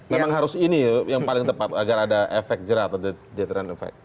memang harus ini yang paling tepat agar ada efek jerah atau deteran efek